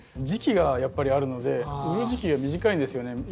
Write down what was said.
時期がやっぱりあるので売る時期が短いんですよね。